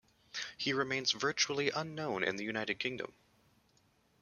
He remains virtually unknown in the United Kingdom.